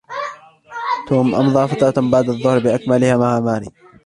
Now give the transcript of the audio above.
توم أمضى فترة بعد الظهر بأكملها مع ماري.